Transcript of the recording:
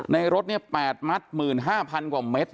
ในรถ๘มัดหมื่น๕๐๐๐กว่าเมตร